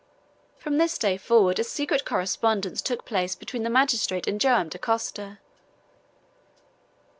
From this day forward a secret correspondence took place between the magistrate and Joam Dacosta.